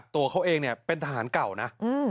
ตัวเขาเองเป็นทหารเก่านะ